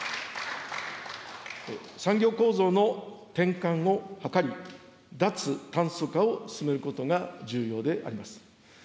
産業構造の転換を図り、脱炭素化を進めることが重要であります。